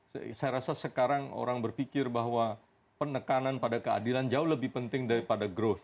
saya rasa sekarang orang berpikir bahwa penekanan pada keadilan jauh lebih penting daripada growth